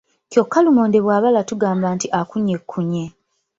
Kyokka lumonde bwabala tugamba nti akunyekkunye.